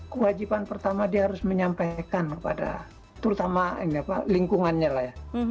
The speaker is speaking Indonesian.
kewajiban pertama dia harus menyampaikan kepada terutama lingkungannya lah ya